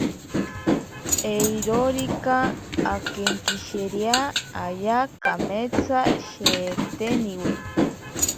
Eirorika akenkishirea ayaa kametsa sheeteniwe.